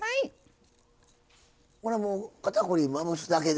これもうかたくりまぶすだけで。